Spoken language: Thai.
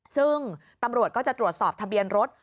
ซึ่งตำรวจก็จะตรวจสอบทะเบียนรถ